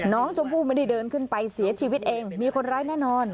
น้องชมพู่ไม่ได้เดินขึ้นไปเสียชีวิตเองมีคนร้ายแน่นอน